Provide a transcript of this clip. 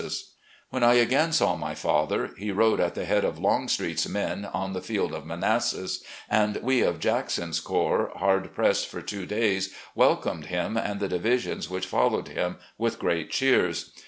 76 RECOLLECTIONS OP GENERAL LEE When I again saw my father, he rode at the head of Longstreet's men on the field of Manassas, and we of Jackson's corps, hard pressed for two days, welcomed him and the divisions which followed him with great cheers.